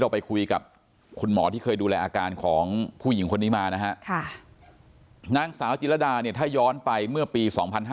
ผู้หญิงคนนี้มานางสาวจิตรดาถ้าย้อนไปเมื่อปี๒๕๔๘